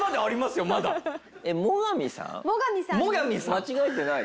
間違えてない？